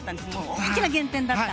大きな減点だった。